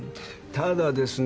ただですね